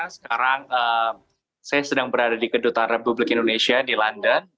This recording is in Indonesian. sekarang saya sedang berada di kedutaan republik indonesia di london